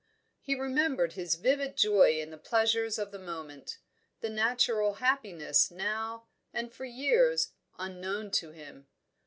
He remembered his vivid joy in the pleasures of the moment, the natural happiness now, and for years, unknown to him.